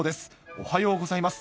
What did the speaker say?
おはようございます。